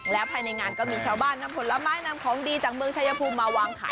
แล้วภายในงานก็มีชาวบ้านนำผลไม้นำของดีจากเมืองชายภูมิมาวางขาย